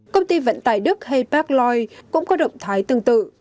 công ty vận tải đức hay pagloy cũng có động thái tương tự